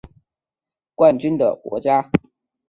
这是阿根廷成为世界杯史上的第六个获得冠军的国家。